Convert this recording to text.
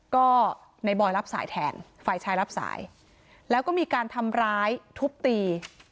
ก็ในบอยรับสายแทนฝ่ายชายรับสายแล้วก็มีการทำร้ายทุบตี